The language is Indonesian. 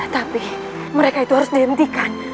tapi mereka itu harus dihentikan